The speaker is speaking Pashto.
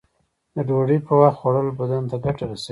د ډوډۍ په وخت خوړل بدن ته ګټه رسوی.